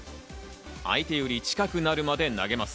相手より近くなるまで投げます。